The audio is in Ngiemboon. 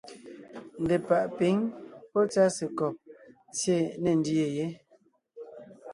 Ndepàʼ pǐŋ pɔ́ tsásekɔb tsyé ne ńdyê yé.